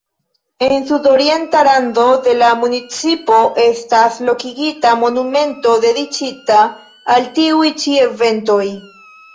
En sudorienta rando de la municipo estas lokigita monumento dediĉita al tiuj ĉi eventoj.